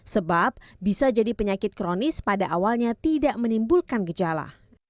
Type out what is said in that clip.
sebab bisa jadi penyakit kronis pada awalnya tidak menimbulkan gejala